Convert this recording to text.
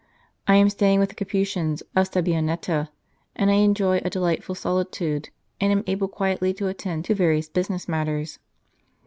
I am staying with the Capuchins of Sabbionetta, and I enjoy a delightful solitude, and am able quietly to attend to various business matters."